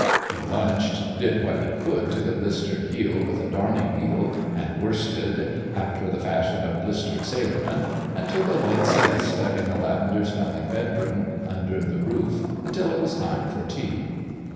He lunched, did what he could to the blistered heel with a darning needle and worsted (after the fashion of blistered sailormen), and took a light siesta in the lavender smelling bedroom under the roof until it was time for tea.